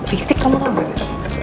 risik kamu tahu gak